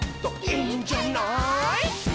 「いいんじゃない」